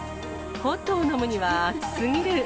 ホットを飲むには暑すぎる。